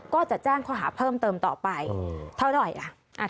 ก็จะแจ้งข้อหาเพิ่มเติมต่อไปเท่าไหร่อ่ะ